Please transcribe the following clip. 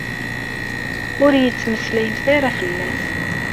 Ur iyi-d-ttmeslayemt ara fell-as.